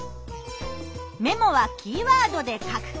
メモはキーワードで書く。